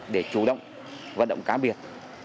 để chủ động vận động cá biệt